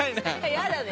やだね。